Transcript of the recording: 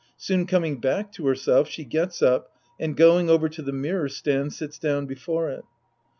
Soon coming back to herself, she gets up and, going over to the mirror stand, sits down before it.)